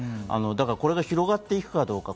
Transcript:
これが広がっていくかどうか。